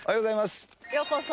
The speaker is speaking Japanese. ようこそ。